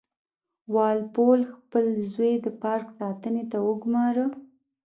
وال پول خپل زوی د پارک ساتنې ته وګوماره.